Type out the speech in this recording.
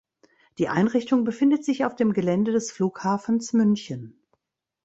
Die Einrichtung befindet sich auf dem Gelände des Flughafens München.